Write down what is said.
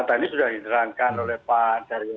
tadi sudah diterangkan oleh pak daryo